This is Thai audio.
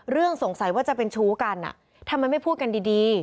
เรื่องสงสัยว่าจะเป็นชู้กันอ่ะทำไมไม่พูดกันดีดี